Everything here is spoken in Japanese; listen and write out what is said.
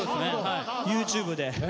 ＹｏｕＴｕｂｅで。